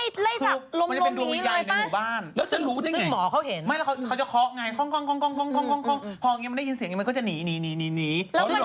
ที่แรงด้วยอ่ะเราเคยเห็นภาพอยู่